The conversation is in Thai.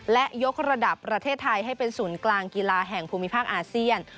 และยกระดับประเทศไทยให้เป็นศูนย์กลางกีฬาแห่งภูมิภาคอาเซียน